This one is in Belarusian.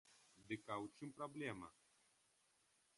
Дык а ў чым праблема!